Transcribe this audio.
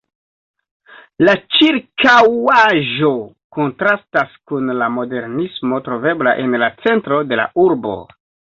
La ĉirkaŭaĵo kontrastas kun la modernismo trovebla en la centro de la urbo.